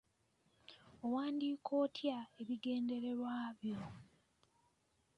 Owandiika otya ebigendererwa byo?